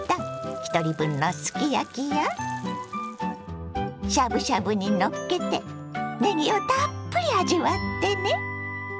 ひとり分のすき焼きやしゃぶしゃぶにのっけてねぎをたっぷり味わってね！